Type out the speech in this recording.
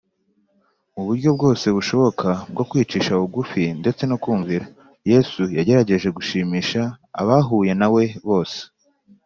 Mu buryo bwose bushoboka bwo kwicisha bugufi ndetse no kumvira, Yesu yagerageje gushimisha abahuye na We bose